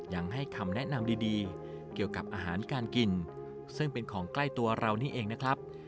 ยังให้คำแนะนำดีเกี่ยวกับอาหารการกินซึ่งเป็นของใกล้ตัวเรานี่เองนะครับ